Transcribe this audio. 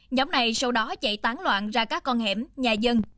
nhóm này sau đó chạy tán loạn ra các con hẻm nhà dân